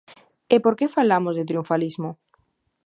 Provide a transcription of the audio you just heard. ¿E por que falamos de triunfalismo?